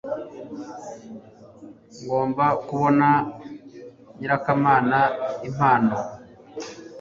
Ngomba kubona nyirakamana impano